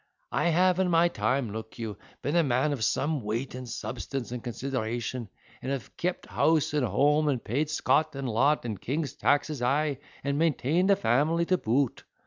I have in my time (look you,) been a man of some weight, and substance, and consideration, and have kept house and home, and paid scot and lot, and the king's taxes; ay, and maintained a family to boot.